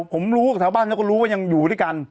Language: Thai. ผมรู้จากแถวบ้านแล้วก็รู้ว่ายังอยู่ด้วยกัน